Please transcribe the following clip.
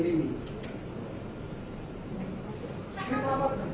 แต่ว่าไม่มีปรากฏว่าถ้าเกิดคนให้ยาที่๓๑